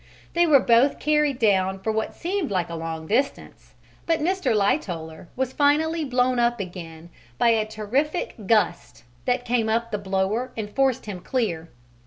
They were both carried down for what seemed a long distance, but Mr. Lightoller was finally blown up again by a "terrific gust" that came up the blower and forced him clear.